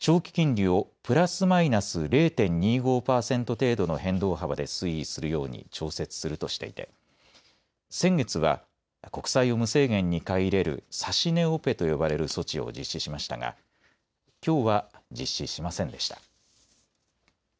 一方、日銀は金融政策の中で長期金利をプラスマイナス０．２５パーセント程度の変動幅で推移するように調節するとしていて先月は国債を無制限に買い入れる指値オペと呼ばれる措置を実施しましたがきょうは実施しませんでした。